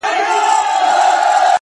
پربت باندي يې سر واچوه ـ